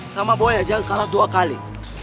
sama boy aja kalah dua kali